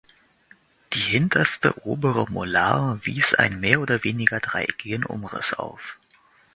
Die hinterste obere Molar wies einen mehr oder weniger dreieckigen Umriss auf.